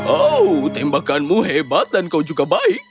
oh tembakanmu hebat dan kau juga baik